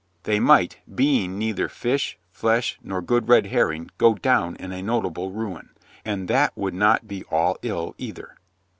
They might, being neither fish, flesh nor good red herring, go down in a notable ruin. And that would not be all ill, either.